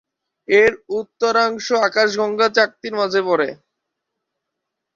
এর উত্তরাংশ আকাশগঙ্গার চাকতির মাঝে পড়ে।